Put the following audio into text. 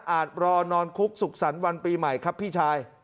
รอนอนคุกสุขสรรค์วันปีใหม่ครับพี่ชาย